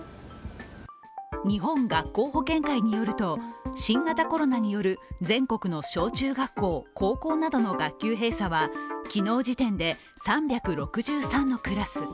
日本学校保健会によると、新型コロナによる全国の小中学校、高校などの学級閉鎖は昨日時点で３６３のクラス。